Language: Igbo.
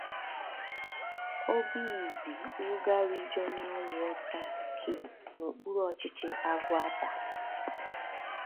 'Obizi-Uga Regional Water Scheme' n'okpuru ọchịchị Agụata.